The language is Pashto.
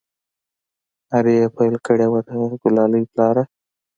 نارې يې پيل كړې وه د ګلالي پلاره!